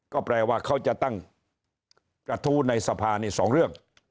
ก็แปลว่าเขาจะตั้งกระทู้ในสภานี่สองเรื่อง